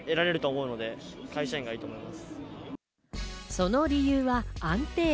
その理由は安定。